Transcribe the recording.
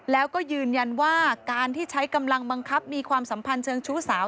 แล้วก็ยืนยันว่าการที่ใช้กำลังบังคับมีความสัมพันธ์เชิงชู้สาว